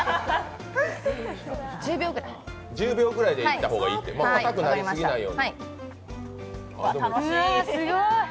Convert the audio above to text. １０秒ぐらいでいった方がいい、かたくなりすぎないように。